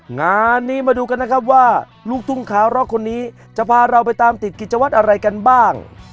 งานนี้มาดูกันนะครับว่าลูกทุ่งขาวร็อกคนนี้จะพาเราไปตามติดกิจวัตรอะไรกันบ้าง